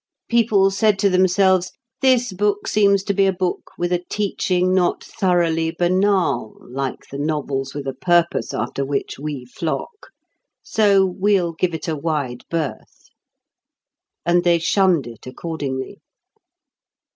People said to themselves, "This book seems to be a book with a teaching not thoroughly banal, like the novels with a purpose after which we flock; so we'll give it a wide berth." And they shunned it accordingly.